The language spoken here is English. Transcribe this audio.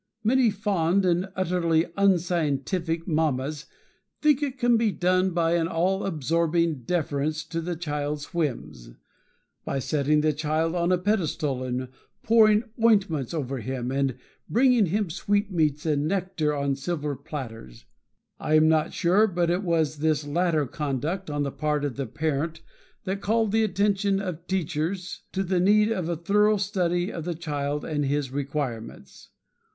Many fond and utterly unscientific mammas think it can be done by an all absorbing deference to the child's whims; by setting the child on a pedestal and pouring ointments over him and bringing him sweetmeats and nectar on silver platters. I am not sure but it was this latter conduct on the part of the parent that called the attention of teachers to the need of a thorough study of the child and his requirements.